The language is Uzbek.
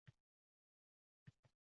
Axir, bu imkoniyatlarni ishga solib